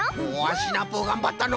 シナプーがんばったのう！